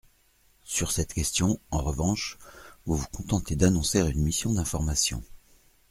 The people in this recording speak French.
Sur cette question, en revanche, vous vous contentez d’annoncer une mission d’information.